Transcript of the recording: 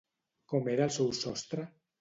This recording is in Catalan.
Com era el seu sostre?